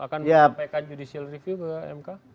akan di sampaikan judicial review kepada mk